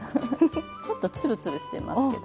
ちょっとツルツルしてますけど。